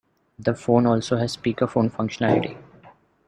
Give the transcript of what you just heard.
The phone also has speakerphone functionality.